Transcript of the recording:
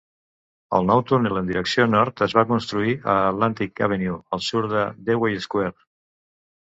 El nou túnel en direcció nord es va construir a Atlantic Avenue al sud de Dewey Square.